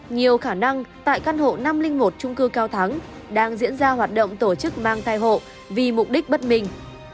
nhiều khả năng tại căn hộ năm trăm linh một trung cư cao thắng đang diễn ra hoạt động tổ chức mang thai hộ vì mục đích bất minh